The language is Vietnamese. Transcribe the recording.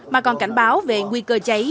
mà còn cảnh báo về nguy cơ cháy